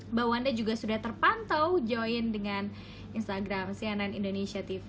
mbak wanda juga sudah terpantau join dengan instagram cnn indonesia tv